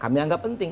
kami anggap penting